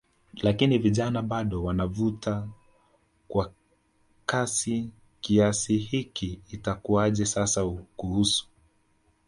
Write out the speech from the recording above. lakini vijana bado wanavuta kwa kasi kiasi hiki itakuaje sasa kuhusu